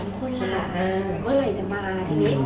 ๓คนอาหาร